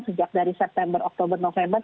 sejak dari september oktober november